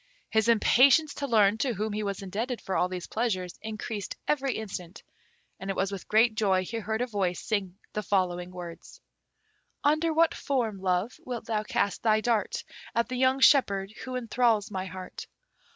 His impatience to learn to whom he was indebted for all these pleasures increased every instant, and it was with great joy he heard a voice sing the following words: Under what form, Love, wilt thou cast thy dart At the young shepherd who enthrals my heart?